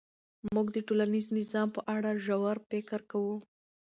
موږ د ټولنیز نظام په اړه ژور فکر کوو.